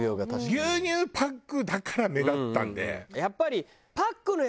牛乳パックだから目立ったんで。